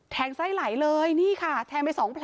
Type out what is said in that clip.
ไส้ไหลเลยนี่ค่ะแทงไปสองแผล